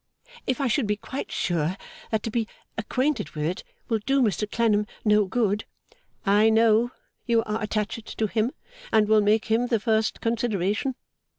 If I should be quite sure that to be acquainted with it will do Mr Clennam no good ' 'I know you are attached to him, and will make him the first consideration.